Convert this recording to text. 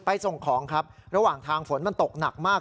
ส่งของครับระหว่างทางฝนมันตกหนักมาก